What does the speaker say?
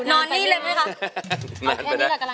นอนนี่เลยมั้ยคะ